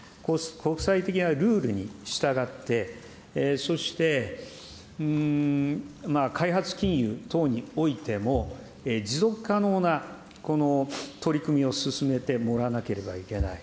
国際的なルールに従って、そして開発金融等においても、持続可能なこの取り組みを進めてもらわなければいけない。